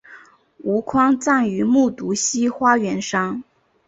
吴宽葬于木渎西花园山。